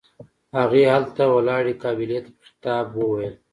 هغې هلته ولاړې قابلې ته په خطاب وويل.